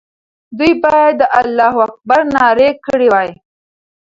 دوی باید د الله اکبر ناره کړې وای.